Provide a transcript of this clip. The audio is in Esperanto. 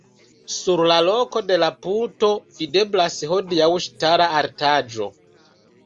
Sur la loko de la puto videblas hodiaŭ ŝtala artaĵo.